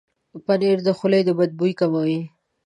پنېر د خولې د بد بوي کموي.